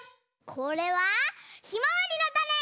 これはひまわりのたね！